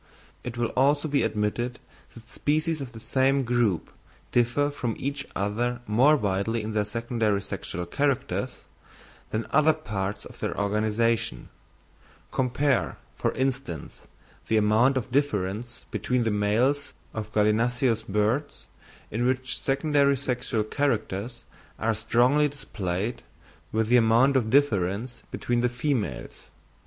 It will also be admitted that species of the same group differ from each other more widely in their secondary sexual characters, than in other parts of their organisation; compare, for instance, the amount of difference between the males of gallinaceous birds, in which secondary sexual characters are strongly displayed, with the amount of difference between the females.